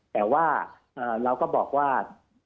แต่ว่าเราก็บอกว่า